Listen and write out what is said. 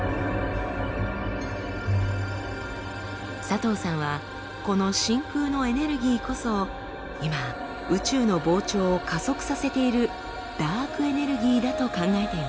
佐藤さんはこの真空のエネルギーこそ今宇宙の膨張を加速させているダークエネルギーだと考えています。